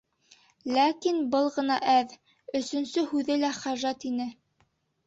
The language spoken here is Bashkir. Ләкин был ғына әҙ, өсөнсө һүҙе лә хәжәт ине.